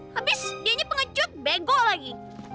habis dia nya pengecut bego lagi